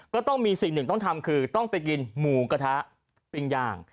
ก็ต้องมีสิ่งหนึ่งต้องทำคือต้องไปกินหมูกระทะปิ้งย่าง